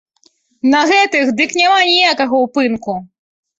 На гэтых дык няма ніякага ўпынку!